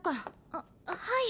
あっはい。